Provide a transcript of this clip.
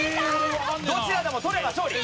どちらでも取れば勝利。